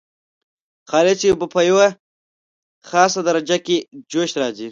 خالصې اوبه په یوه خاصه درجه کې جوش راځي.